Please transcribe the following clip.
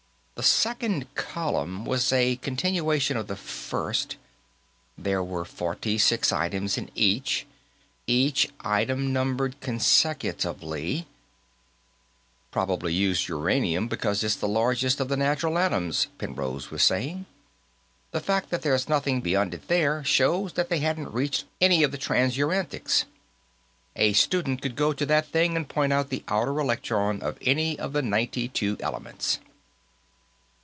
The second column was a continuation of the first: there were forty six items in each, each item numbered consecutively "Probably used uranium because it's the largest of the natural atoms," Penrose was saying. "The fact that there's nothing beyond it there shows that they hadn't created any of the transuranics. A student could go to that thing and point out the outer electron of any of the ninety two elements."